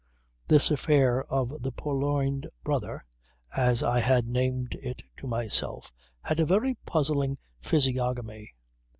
This affair of the purloined brother, as I had named it to myself, had a very puzzling physiognomy.